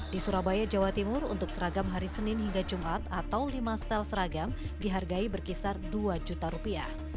di surabaya jawa timur untuk seragam hari senin hingga jumat atau lima setel seragam dihargai berkisar dua juta rupiah